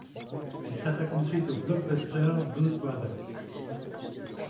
Il s'attaque ensuite au blockbuster Blues Brothers.